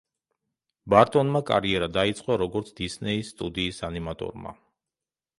ბარტონმა კარიერა დაიწყო, როგორც დისნეის სტუდიის ანიმატორმა.